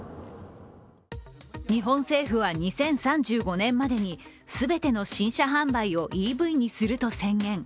日本政府は２０３５年までに全ての新車販売をＥＶにすると宣言。